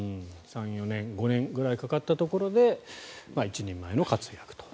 ３４年５年くらいかかったところで一人前の活躍と。